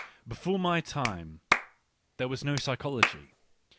Before my time there was no psychology.